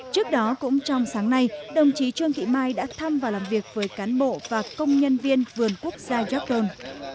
trước đó cũng trong sáng nay đồng chí trương thị mai đã thăm và làm việc với cán bộ và công nhân viên vườn quốc gia york tôn